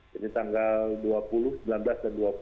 jadi tanggal dua puluh sembilan belas dan dua puluh